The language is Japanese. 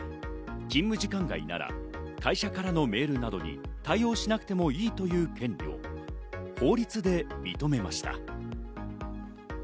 勤務時間外や会社からのメールなどに対応しなくてもいいという権利を法律で認めました。